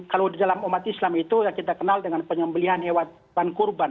kalau di dalam umat islam itu kita kenal dengan penyembelian hewan kurban